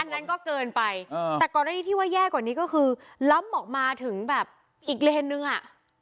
อันนั้นก็เกินไปแต่ก่อนอันนี้ที่ว่าแย่กว่านี้ก็คือล้ำออกมาถึงแบบอีกเลนนึงอ่ะ